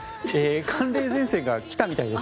寒冷前線が来たみたいです